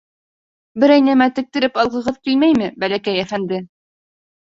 — Берәй нәмә тектереп алғығыҙ килмәйме, бәләкәй әфәнде?